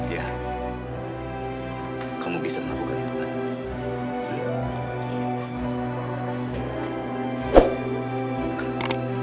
ya kamu bisa melakukan itu lagi